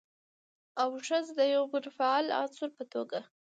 او ښځه د يوه منفعل عنصر په توګه